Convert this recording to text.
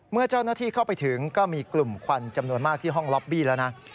เมื่อเจ้าหน้าที่เข้าไปถึงก็มีกลุ่มควันจำนวนมากที่ห้องล็อบบี้แล้วนะ